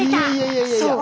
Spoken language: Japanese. そう。